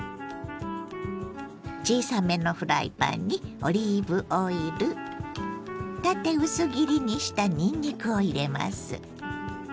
小さめのフライパンにオリーブオイル縦薄切りにしたにんにくを入れます。